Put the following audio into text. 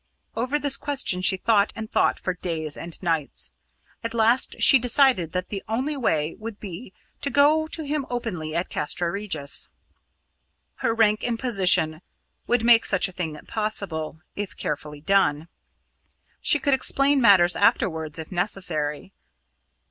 Over this question she thought and thought for days and nights. At last she decided that the only way would be to go to him openly at Castra Regis. Her rank and position would make such a thing possible, if carefully done. She could explain matters afterwards if necessary.